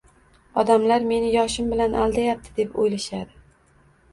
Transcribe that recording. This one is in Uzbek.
Odamlar meni yoshim bilan aldayapti deb o’ylashadi.